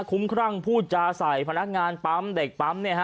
คุ้มครั่งพูดจาใส่พนักงานปั๊มเด็กปั๊ม